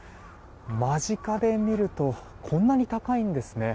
間近で見るとこんなに高いんですね。